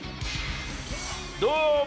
どうも！